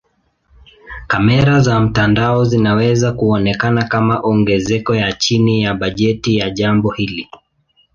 Kamera za mtandao zinaweza kuonekana kama ongezeko ya chini ya bajeti ya jambo hili.